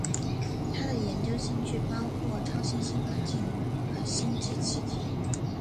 他的研究兴趣包括超新星环境和星际气体。